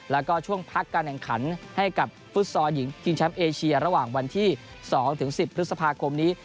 แล้วก็ช่วงพักการแข่งขันให้กับฟุตซอลหญิงชิงแชมป์เอเชียระหว่างวันที่๒๑๐พฤษภาคมนี้